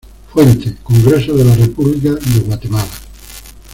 Fuente: Congreso de la República de Guatemala